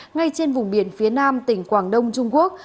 ngay trên vùng biển phía nam tỉnh quảng đông trung quốc